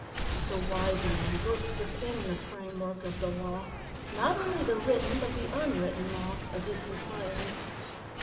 The wise man works within the framework of the law not only the written, but the unwritten law of his society.